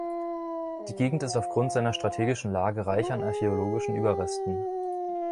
Die Gegend ist aufgrund seiner strategischen Lage reich an archäologischen Überresten.